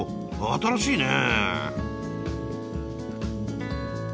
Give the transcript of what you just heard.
新しいね。